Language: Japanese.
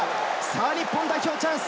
日本代表、チャンス。